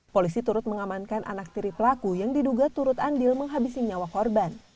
polisi turut mengamankan anak tiri pelaku yang diduga turut andil menghabisi nyawa korban